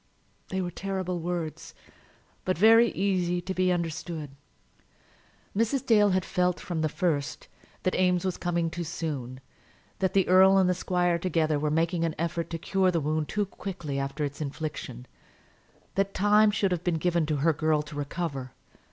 They were terrible words, but very easy to be understood. Mrs. Dale had felt, from the first, that Eames was coming too soon, that the earl and the squire together were making an effort to cure the wound too quickly after its infliction; that time should have been given to her girl to recover.